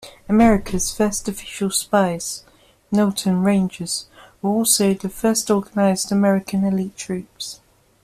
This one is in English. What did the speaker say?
America's first official spies, "Knowlton's Rangers" were also the first organized American elite troops.